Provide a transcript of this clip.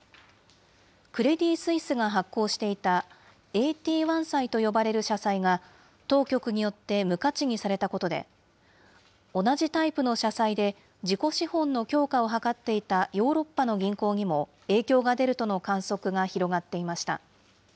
クレディ・スイスが発行していたＡＴ１債と呼ばれる社債が、当局によって無価値にされたことで、同じタイプの社債で、自己資本の強化を図っていたヨーロッパの銀行にも影響が出るとの観測が広がっていました。